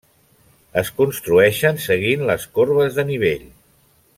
Es construeixen seguint les corbes de nivell.